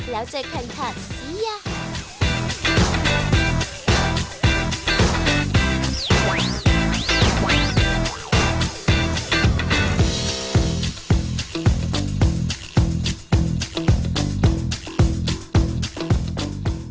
แล้วเจอกันค่ะซีย่า